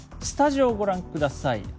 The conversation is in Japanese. スタジオご覧ください。